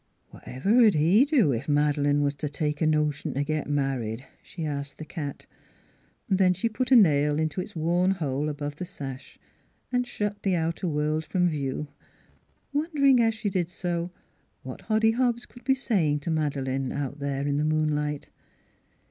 " Whatever 'd he do, ef Mad'lane was t' take a notion t' git married?" she asked the cat. Then she put a nail into its worn hole above the sash and shut the outer world from view, won dering as she did so what Hoddy Hobbs could be saying to Madeleine out there in the moon light.